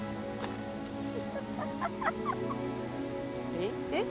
「えっ？えっ？」